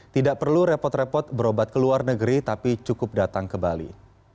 tidak perlu repot repot berobat ke luar negeri tapi cukup datang ke bali